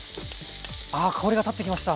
あ香りが立ってきました。